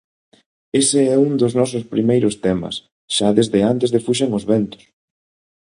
Ese é un dos nosos primeiros temas, xa desde antes de Fuxan os Ventos.